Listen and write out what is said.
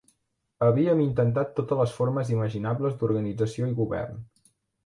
Havíem intentat totes les formes imaginables d'organització i govern.